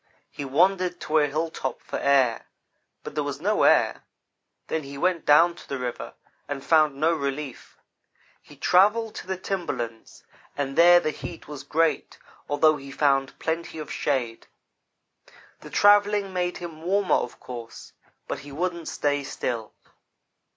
He wan dered to a hilltop for air; but there was no air. Then he went down to the river and found no relief. He travelled to the timberlands, and there the heat was great, although he found plenty of shade. The travelling made him warmer, of course, but he wouldn't stay still.